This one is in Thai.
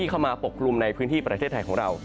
เข้ามาปกกลุ่มในพื้นที่ประเทศไทยของเรา